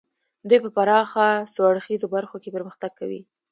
دوی په پراخه څو اړخیزو برخو کې پرمختګ کوي